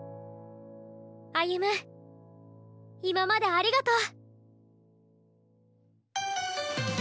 歩夢今までありがとう。